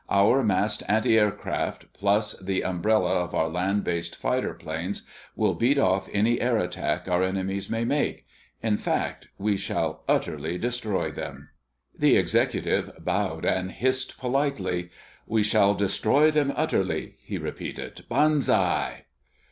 "Our massed antiaircraft, plus the umbrella of our land based fighter planes, will beat off any air attack our enemies may make. In fact, we shall utterly destroy them." The executive bowed and hissed politely. "We shall destroy them utterly," he repeated. "Banzai!"